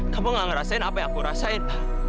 kamu gak ngerasain apa yang aku rasain